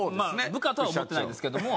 部下とは思ってないですけども。